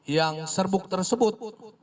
yang serbuk tersebut